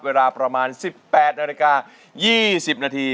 เวลาประมาณ๑๘นาฬิกา๒๐นาที